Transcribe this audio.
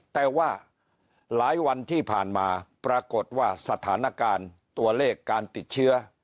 แต่ว่าหลายวันที่ผ่านมาปรากฏว่าสถานการณ์ตัวเลขการติดเชื้อ